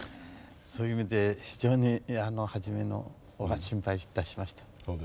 そういう意味で非常に初めのほうは心配いたしました。